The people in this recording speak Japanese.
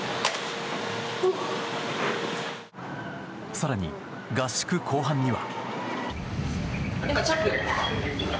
更に、合宿後半には。